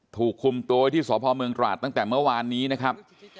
ถูกคุมตัวไว้ที่สพเมืองตราดตั้งแต่เมื่อวานนี้นะครับ